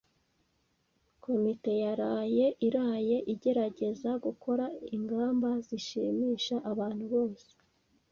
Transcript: Komite yaraye iraye igerageza gukora ingamba zishimisha abantu bose.